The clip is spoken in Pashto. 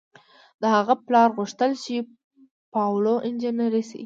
د هغه پلار غوښتل چې پاولو انجنیر شي.